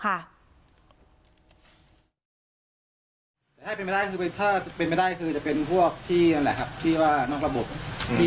ถ้าเป็นไม่ได้คือจะเป็นพวกที่นั่นแหละครับที่ว่านอกระบบ